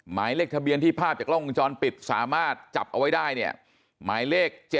หมายเลขทะเบียนที่ภาพจากกล้องวงจรปิดสามารถจับเอาไว้ได้เนี่ยหมายเลข๗๗